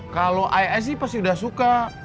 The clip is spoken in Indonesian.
kalau ai ai sih pasti udah suka